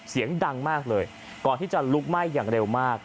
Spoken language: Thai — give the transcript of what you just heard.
เสียงดังมากเลยก่อนที่จะลุกไหม้อย่างเร็วมาก